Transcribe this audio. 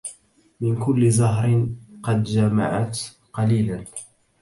من كل زهر قد جمعت قليلا